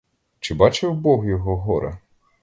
Чи бачив бог його горе?